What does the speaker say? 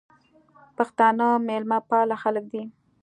پښتانه میلمه پاله خلک دي